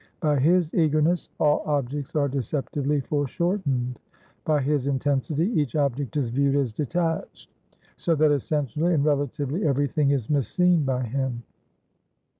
By his eagerness, all objects are deceptively foreshortened; by his intensity each object is viewed as detached; so that essentially and relatively every thing is misseen by him.